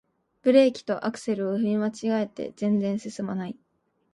ブレーキとアクセルを踏み間違えて全然すすまない